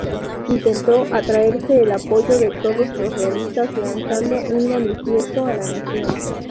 Intentó atraerse el apoyo de todos los realistas lanzando un manifiesto a la nación.